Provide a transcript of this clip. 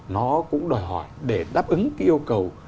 nó cũng đòi hỏi để đáp ứng cái yêu cầu